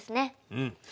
うん。